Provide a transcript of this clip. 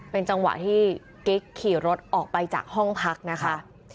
เป็นจังหวะที่กิ๊กขี่รถออกไปจากห้องพักนะคะ